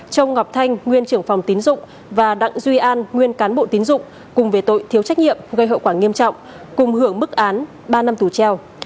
châu ngọc thanh nguyên trưởng phòng tín dụng và đặng duy an nguyên cán bộ tín dụng cùng về tội thiếu trách nhiệm gây hậu quả nghiêm trọng cùng hưởng mức án ba năm tù treo